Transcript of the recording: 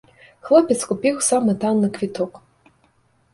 Хлопец купіў самы танны квіток.